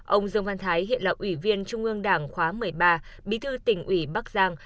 ông dương văn thái hiện là ủy viên trung ương đảng khóa một mươi ba bí thư tỉnh ủy bắc giang